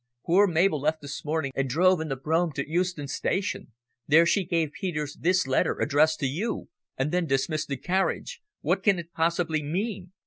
Poor Mabel left this morning and drove in the brougham to Euston Station. There she gave Peters this letter, addressed to you, and then dismissed the carriage. What can it possibly mean?"